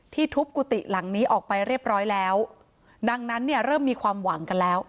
ทุบกุฏิหลังนี้ออกไปเรียบร้อยแล้วดังนั้นเนี่ยเริ่มมีความหวังกันแล้ว